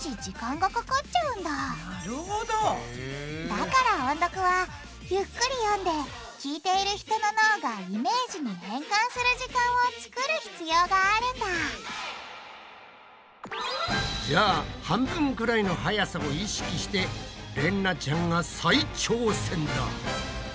だから音読はゆっくり読んで聞いている人の脳がイメージに変換する時間をつくる必要があるんだじゃあ半分くらいのはやさを意識してれんなちゃんが再挑戦だ！